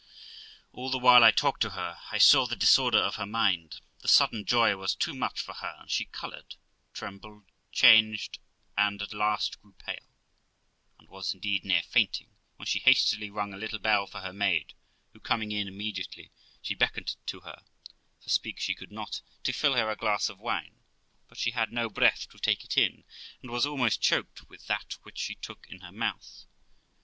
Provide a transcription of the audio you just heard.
All the while I talked to her, T saw the disorder of her mind; the sudden joy was too much for her, and she coloured, trembled, changed, and at last grew pale, and was, indeed, near fainting, when she hastily rung a little bell for her maid, who, coming in immediately, she beckoned to her for speak she could not to fill her a glass of wine; but she had no breath to take it in, and was almost choked with that which she took in her mouth.